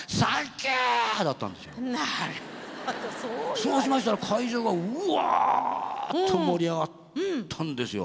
そうしましたら会場がうわっと盛り上がったんですよ。